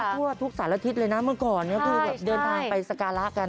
ทั่วทุกสารทิตย์เลยนะเมื่อก่อนก็คือแบบเดินทางไปสการะกัน